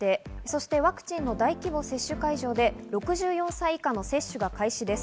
そしてワクチンの大規模接種会場で６４歳以下の接種が開始です。